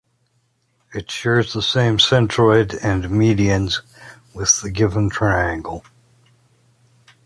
It shares the same centroid and medians with the given triangle.